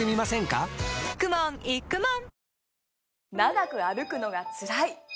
かくもんいくもん